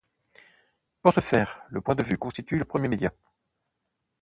Pour ce faire, le point de vente constitue le premier média.